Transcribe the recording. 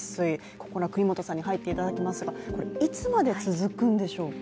ここから國本さんに入っていただきますが、いつまで続くんでしょうか。